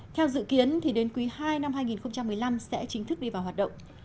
theo dự kiến đến quý ii năm hai nghìn một mươi năm sẽ chính thức đi vào hoạt động